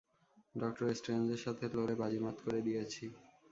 Doctor স্ট্রেঞ্জের সাথে লড়ে বাজিমাত করে দিয়েছি!